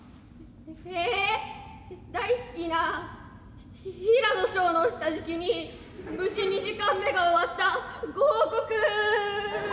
「え大好きな平野紫耀の下敷きに無事２時間目が終わったご報告」。